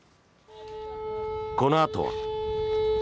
このあとは。